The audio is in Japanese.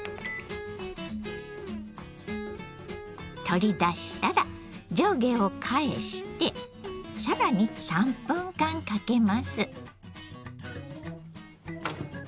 取り出したら上下を返して更に３分間かけます。